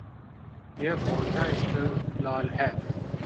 یہ بھونڈا استدلال ہے۔